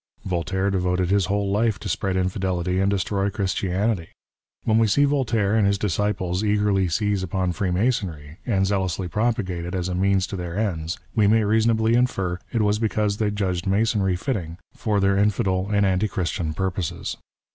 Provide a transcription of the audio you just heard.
Voltaire devoted his whole life to spread Infidelity and destroy Christianity. When we see Yoltaire and his disciples eagerly seize upon Treemasonry, and zealously propagate it, as a means to their ends, we may reasonably infer, it was because they judged Masonry fitting for their Infidel and anti Christian purposes.